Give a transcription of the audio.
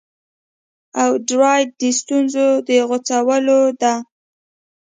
او درایت د ستونزو د غوڅولو ده